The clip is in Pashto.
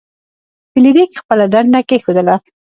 فلیریک خپله ډنډه کیښودله.